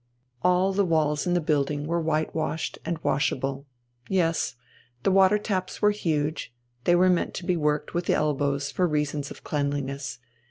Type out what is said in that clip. All the walls in the building were whitewashed and washable. Yes. The water taps were huge, they were meant to be worked with the elbows for reasons of cleanliness.